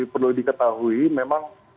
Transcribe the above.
perlu diketahui memang